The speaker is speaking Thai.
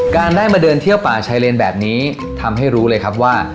ขึ้นไปถึงนู่นเลยนะครับใช่ไหมครับ